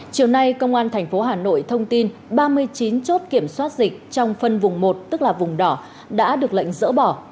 chiều nay công an tp hà nội thông tin ba mươi chín chốt kiểm soát dịch trong phân vùng một tức là vùng đỏ đã được lệnh dỡ bỏ